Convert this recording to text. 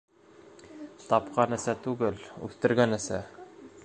Тапҡан әсә түгел, үҫтергән әсә.